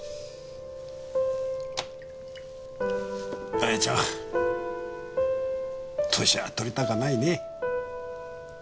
あやちゃん歳は取りたかないね。